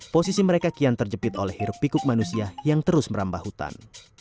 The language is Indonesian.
posisi mereka kian terjepit oleh hiruk pikuk manusia yang terus merambah hutan